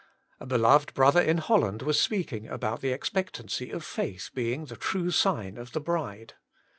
A beloved brother in Holland was speaking about the expectancy of faith being the true sign of the bride.